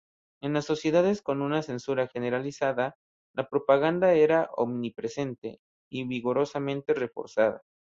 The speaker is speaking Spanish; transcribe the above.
En las sociedades con una censura generalizada, la propaganda era omnipresente y vigorosamente reforzada.